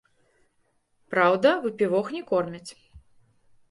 Праўда, выпівох не кормяць.